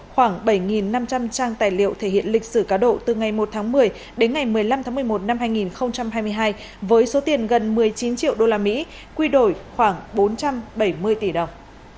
khoảng bảy năm trăm linh trang tài liệu thể hiện lịch sử cá độ từ ngày một tháng một mươi đến ngày một mươi năm tháng một mươi một năm hai nghìn hai mươi hai với số tiền gần một mươi chín triệu usd quy đổi khoảng bốn trăm bảy mươi tỷ đồng